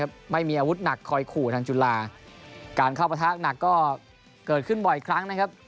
ไม่มีอาวุธหนักคอยขู่ทางจุฬาการเข้าประทะหนักก็เกิดขึ้นบ่อยครั้งนะครับ